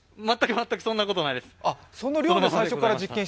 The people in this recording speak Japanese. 全くそんなことないです。